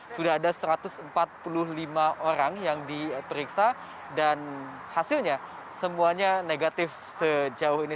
sudah ada satu ratus empat puluh lima orang yang diperiksa dan hasilnya semuanya negatif sejauh ini